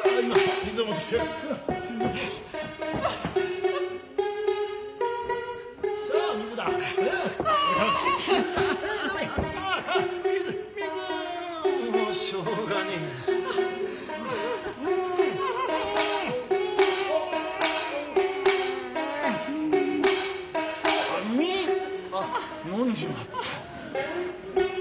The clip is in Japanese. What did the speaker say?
みあっ飲んじまった。